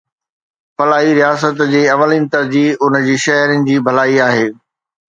فلاحي رياست جي اولين ترجيح ان جي شهرين جي ڀلائي آهي.